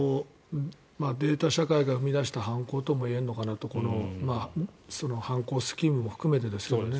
データ社会が生み出した犯行ともいえるのかなとこの犯行スキームも含めてですけどね。